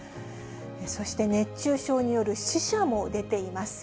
そして、熱中症による死者も出ています。